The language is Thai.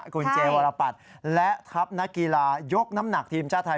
คุณเจวรปัตย์และทัพนักกีฬายกน้ำหนักทีมชาติไทย